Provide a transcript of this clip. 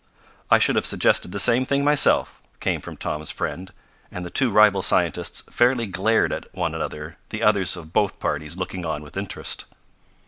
"I should have suggested the same thing myself," came from Tom's friend, and the two rival scientists fairly glared at one another, the others of both parties looking on with interest.